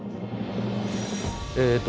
えっと